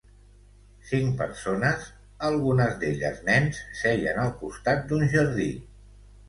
Cinc persones, algunes d'elles nens, seient al costat d'un jardí